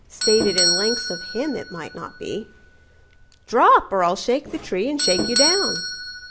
(Stated in lengths of him it might not be.)"Drop or I'll shake the tree and shake you down."